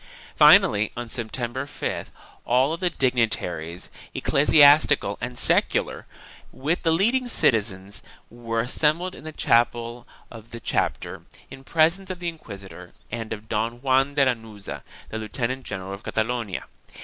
Finally, on September 5th all the dignitaries, eccle siastical and secular, with the leading citizens, were assembled in the chapel of the chapter, in presence of the inquisitor and of Don Juan de Lanuza, the Lieutenant general of Catalonia.